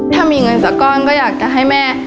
ถ้ามีเงินสักก้อนก็อยากจะให้แม่